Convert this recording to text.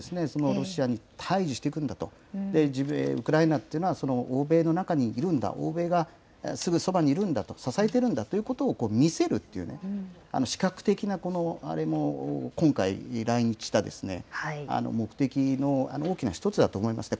ロシアに対じしていくんだと、ウクライナっていうのは欧米の中にいるんだ、欧米がすぐそばにいるんだと、支えているんだというのを見せるっていう、視覚的なあれも、今回来日した目的の大きな一つだと思いますね。